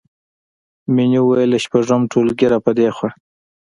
مینې وویل له شپږم ټولګي راپدېخوا